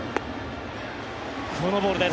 このボールです。